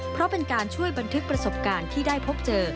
เพราะเป็นการช่วยบันทึกประสบการณ์ที่ได้พบเจอ